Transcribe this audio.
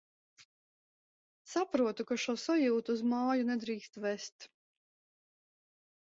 Saprotu, ka šo sajūtu uz māju nedrīkst vest...